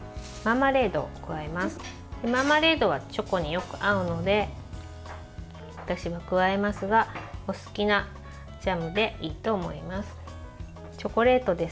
マーマレードはチョコによく合うので私も加えますがお好きなジャムでいいと思います。